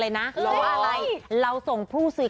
ไปผัดเป็นอย่างไร